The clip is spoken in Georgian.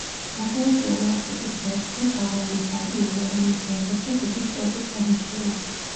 ნახევარწრიულ აფსიდის ღერძზე თაღოვანი სარკმელია, რომლის გვერდებზე თითო სწორკუთხა ნიშია.